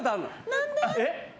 何で？